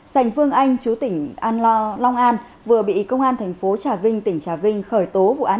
sành phương anh chú tỉnh an lo long an vừa bị công an thành phố trà vinh tỉnh trà vinh khởi tố vụ án